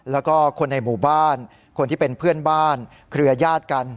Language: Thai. แล้วก็คนในหมู่บ้านคนที่เป็นเพื่อนบ้านเครือญาติกัน